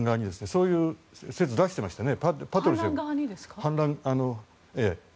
そういう説を出していましたね。